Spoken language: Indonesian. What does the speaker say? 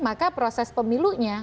maka proses pemilunya